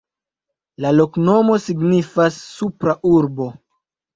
La loknomo signifas: Supra Urbo.